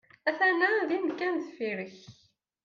Aten-a din kan deffir-k.